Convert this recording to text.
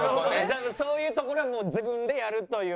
多分そういうところはもう自分でやるという。